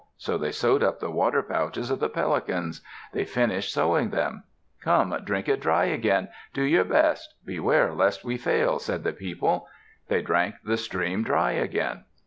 So they sewed up the water pouches of the Pelicans. They finished sewing them. "Come, drink it dry again. Do your best. Beware lest we fail," said the people. They drank the stream dry again.